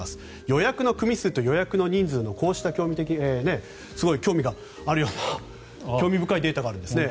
予約の組数と予約の人数のこうした興味があるような興味深いデータがあるんですね。